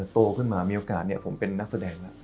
โตขึ้นมามีโอกาสผมเป็นนักแสดงแล้ว